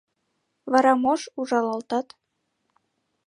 — Вара мош ужалалтат?